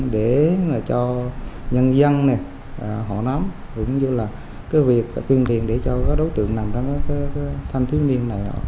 để cho nhân dân họ nắm cũng như là cái việc tuyên trì để cho đối tượng nằm trong cái thanh thiếu niên này